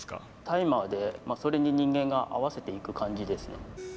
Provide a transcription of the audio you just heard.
タイマーでそれに人間が合わせていく感じですね。